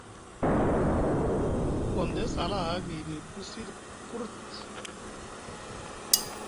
Gondes a hala aha gayɗi pulsi ɗa purut.